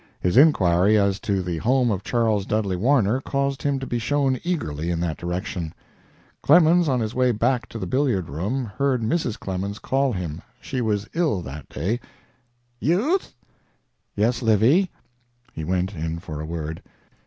His inquiry as to the home of Charles Dudley Warner caused him to be shown eagerly in that direction. Clemens, on his way back to the billiard room, heard Mrs. Clemens call him she was ill that day: "Youth!" "Yes, Livy." He went in for a word.